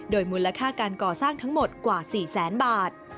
มูลค่าการก่อสร้างทั้งหมดกว่า๔แสนบาท